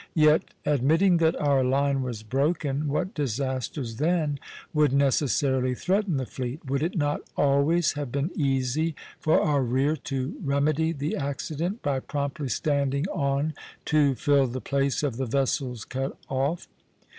Yet, admitting that our line was broken, what disasters then would necessarily threaten the fleet? Would it not always have been easy for our rear to remedy the accident by promptly standing on to fill the place of the vessels cut off?